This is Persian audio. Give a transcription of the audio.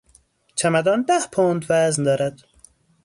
چمدان ده پوند وزن دارد.